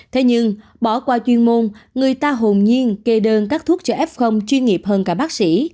thế nhưng bỏ qua chuyên môn người ta hồn nhiên kê đơn các thuốc cho f chuyên nghiệp hơn cả bác sĩ